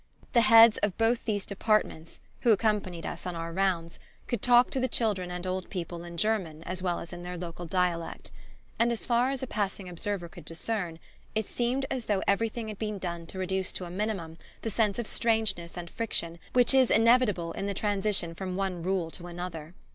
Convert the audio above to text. The heads of both these departments, who accompanied us on our rounds, could talk to the children and old people in German as well as in their local dialect; and, as far as a passing observer could discern, it seemed as though everything had been done to reduce to a minimum the sense of strangeness and friction which is inevitable in the transition from one rule to another.